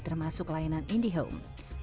termasuk layanan indihome